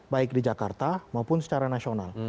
baik di jakarta maupun secara nasional